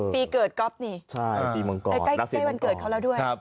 ปีเกิดก๊อฟนี่ใกล้วันเกิดเขาแล้วด้วย